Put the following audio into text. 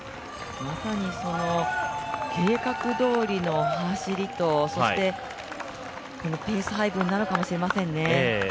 まさに計画どおりの走りとそして、ペース配分なのかもしれませんね。